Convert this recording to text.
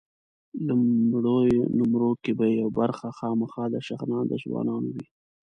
لوړو نومرو کې به یوه برخه خامخا د شغنان د ځوانانو وي.